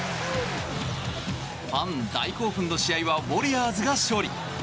ファン大興奮の試合はウォリアーズが勝利。